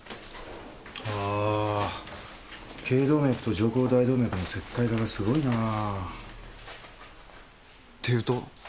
けい動脈と上行大動脈の石灰化がすごいなって言うと？